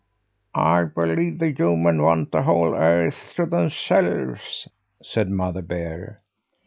"I believe the humans want the whole earth to themselves," said Mother Bear.